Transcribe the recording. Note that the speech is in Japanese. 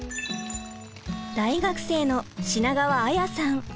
大学生の品川彩さん。